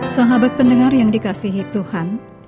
sahabat pendengar yang dikasihi tuhan